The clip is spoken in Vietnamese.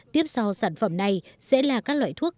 tiếp sau sản phẩm này sẽ là các loại thuốc